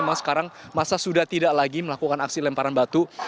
memang sekarang masa sudah tidak lagi melakukan aksi lemparan batu